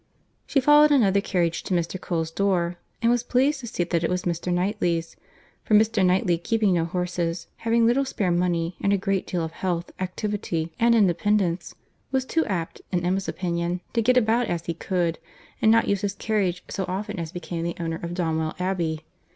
She followed another carriage to Mr. Cole's door; and was pleased to see that it was Mr. Knightley's; for Mr. Knightley keeping no horses, having little spare money and a great deal of health, activity, and independence, was too apt, in Emma's opinion, to get about as he could, and not use his carriage so often as became the owner of Donwell Abbey.